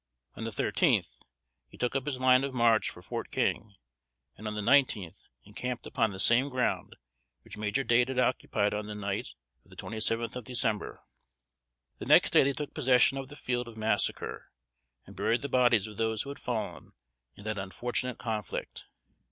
On the thirteenth, he took up his line of march for "Fort King," and on the nineteenth, encamped upon the same ground which Major Dade had occupied on the night of the twenty seventh of December. The next day they took possession of the field of massacre, and buried the bodies of those who had fallen in that unfortunate conflict.